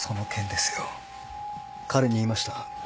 彼に言いました。